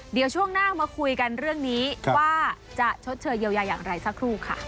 เดี๋ยวช่วงหน้ามาคุยกันเรื่องนี้ว่าจะชดเชยเยียวยาอย่างไรสักครู่ค่ะ